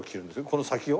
この先を？